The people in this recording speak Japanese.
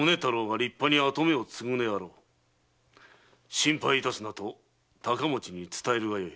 心配致すなと高或に伝えるがよい。